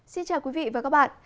xin chào quý vị và các bạn